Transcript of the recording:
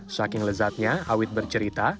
saking lezatnya awit bercerita